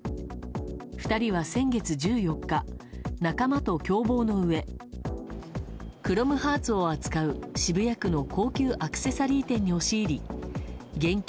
２人は先月１４日仲間と共謀のうえクロムハーツを扱う、渋谷区の高級アクセサリー店に押し入り現金